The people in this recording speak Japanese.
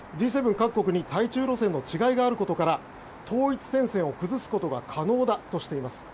各国に対中路線の違いがあることから統一戦線を崩すことが可能だとしています。